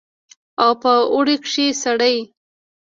او په اوړي کښې سړې.